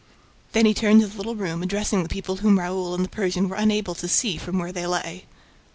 Then he turned to the little room, addressing the people whom Raoul and the Persian were unable to see from where they lay.